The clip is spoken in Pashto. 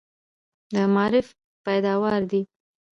د معارف پیداوار دي.